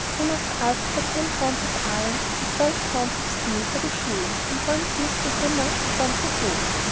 You must ask for ten pounds of iron and twelve pounds of steel for the shoeing, and one smith to hammer and one to hold.